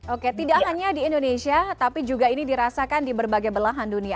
oke tidak hanya di indonesia tapi juga ini dirasakan di berbagai belahan dunia